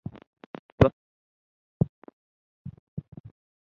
Lwaki wazadde mu mukazi owekika kyo?